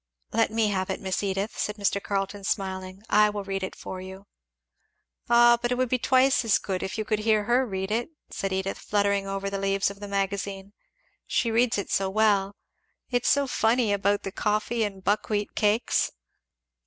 "Let me have it, Miss Edith," said Mr. Carleton smiling, "I will read it for you." "Ah but it would be twice as good if you could hear her read it," said Edith, fluttering over the leaves of the magazine, "she reads it so well. It's so funny about the coffee and buckwheat cakes."